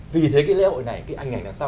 vì thế cái lễ hội này cái ảnh đằng sau